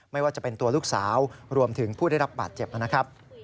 ไม่ว่าจะเป็นตัวลูกสาวรวมถึงผู้ได้รับบาดเจ็บนะครับ